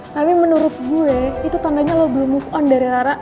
tapi menurut gue itu tandanya lo belum move on dari rara